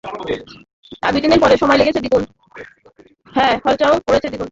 সময় লেগেছে দ্বিগুন, খরচাও পড়েছে দ্বিগুন!